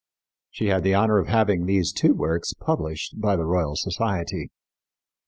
She had the honor of having these two works published by the Royal Society.